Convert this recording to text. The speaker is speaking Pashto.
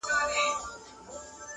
زلمي خوبونو زنګول کیسې به نه ختمېدي!!